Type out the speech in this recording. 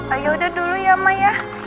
ayo udah dulu ya ma ya